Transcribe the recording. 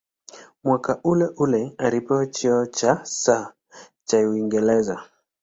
Mwaka uleule alipewa cheo cha "Sir" cha Uingereza.